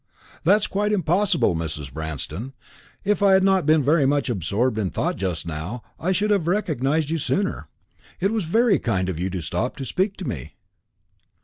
"That is quite impossible, Mrs. Branston. If I had not been very much absorbed in thought just now, I should have recognised you sooner. It was very kind of you to stop to speak to me."